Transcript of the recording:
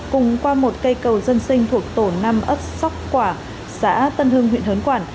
cùng qua một cây cầu dân sinh thuộc tổ năm ất sóc quả xã tân hưng huyện hớn quảng